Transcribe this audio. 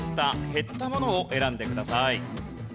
・減ったものを選んでください。